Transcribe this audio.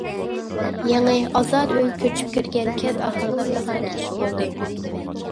يېڭى، ئازادە ئۆيگە كۆچۈپ كىرگەن كەنت ئاھالىلىرى ناھايىتى خۇش بولدى.